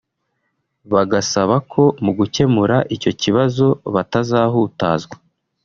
bagasaba ko mu gukemura icyo kibazo batazahutazwa